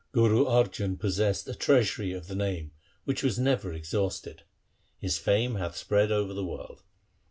Guru Arjan possessed a treasury of the Name, which was never exhausted. His fame hath spread over the world.